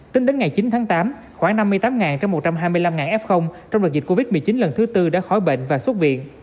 tính đến ngày chín tháng tám khoảng năm mươi tám trong một trăm hai mươi năm f trong đợt dịch covid một mươi chín lần thứ tư đã khói bệnh và xuất viện